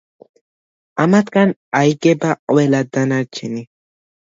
ამათგან აიგება ყველა დანარჩენი.